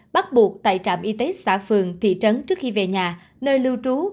bắt buộc tại trạm y tế xã phường thị trấn trước khi về nhà nơi lưu trú